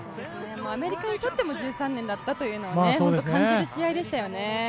アメリカにとっても１３年だったというのを感じる試合でしたよね。